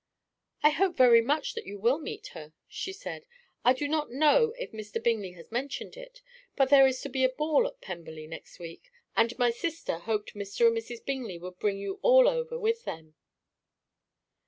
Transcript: "I hope very much that you will meet her," she said. "I do not know if Mr. Bingley has mentioned it, but there is to be a ball at Pemberley next week, and my sister hoped Mr. and Mrs. Bingley would bring you all over with them."